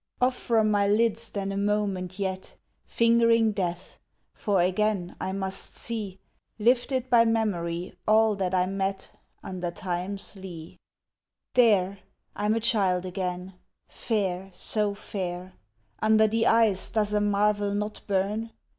Off from my lids then a moment yet, Fingering Death, for again I must see Lifted by memory all that I met Under Time's lee. There!... I'm a child again fair, so fair! Under the eyes does a marvel not burn?